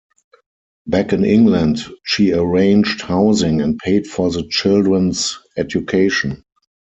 Back in England she arranged housing and paid for the children's education.